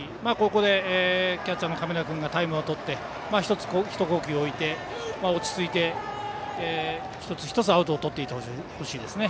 ここでキャッチャーの亀田君がひと呼吸を置いて落ち着いて、一つ一つアウトをとっていってほしいです。